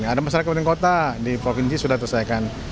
ada masyarakat kabupaten kota di provinsi sudah terselesaikan